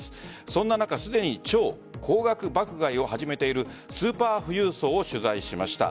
そんな中すでに超高額爆買いを始めているスーパー富裕層を取材しました。